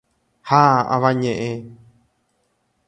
¡Ha avañeʼẽ!